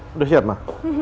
sudah siap pak